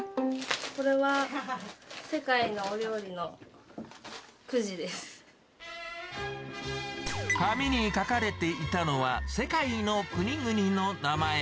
これは世界のお料理のくじで紙に書かれていたのは、世界の国々の名前。